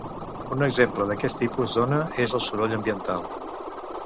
Un exemple d'aquest tipus d'ona és el soroll ambiental.